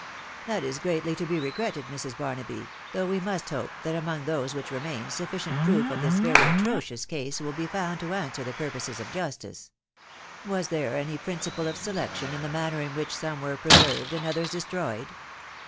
" That is greatly to be regretted, Mrs. Barnaby .... thougk we must hope that among those which remain sufficient proof of this very atrocious case will be found to answer the purpotei of justice. Was there any principle of selection in die man ner in which some were preserved and others destroyed